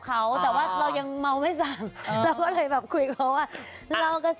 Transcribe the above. อาตเต้นมันทำให้เงอะน่ะ